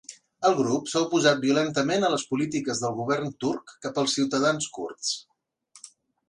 El grup s'ha oposat violentament a les polítiques del govern turc cap als ciutadans kurds.